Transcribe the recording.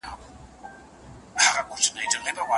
څېړونکی کولای سي خپله پیلنۍ مسوده بدله کړي.